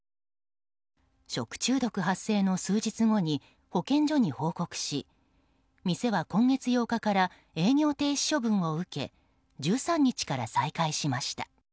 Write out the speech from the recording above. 食中毒発生の数日後に保健所に報告し店は今月８日から営業停止処分を受け１３日から再開しました。